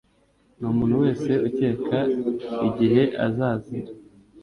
Ni umuntu wese ukeka igihe azazira.